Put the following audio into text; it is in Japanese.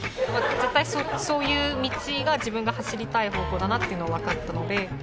絶対そういう道が自分が走りたい方向だなっていうのはわかったので。